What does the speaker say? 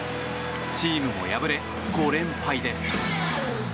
チームも敗れ５連敗です。